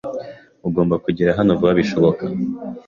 Ugomba kugera hano vuba bishoboka.